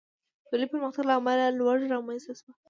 د لوی پرمختګ له امله لوږه رامنځته شوه.